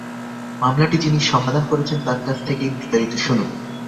মামলাটি যিনি সমাধান করেছেন তার কাছ থেকেই বিস্তারিত শুনুন।